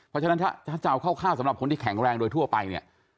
เพราะฉะนั้นถ้าจะเอาคร่าวสำหรับคนที่แข็งแรงโดยทั่วไปเนี่ย